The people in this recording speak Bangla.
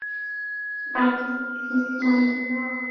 আর তুমি হিন্দু মন্দিরেও আগুন জ্বালাও নাই, তাইনা?